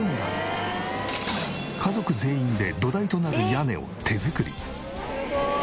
家族全員で土台となる屋根を手作り。